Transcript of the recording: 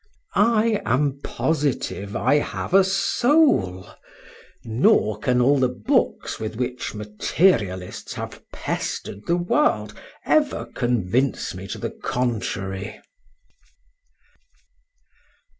I am positive I have a soul; nor can all the books with which materialists have pester'd the world ever convince me to the contrary.